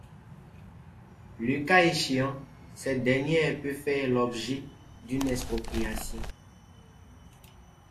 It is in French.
Le cas échéant, cette dernière peut faire l'objet d'une expropriation.